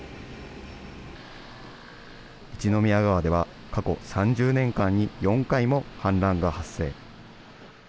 一宮川では過去３０年間に４回も氾濫が発生。